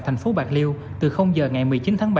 thành phố bạc liêu từ giờ ngày một mươi chín tháng ba